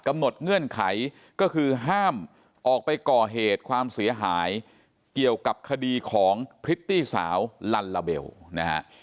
เงื่อนไขก็คือห้ามออกไปก่อเหตุความเสียหายเกี่ยวกับคดีของพริตตี้สาวลัลลาเบลนะฮะ